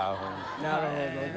なるほどね。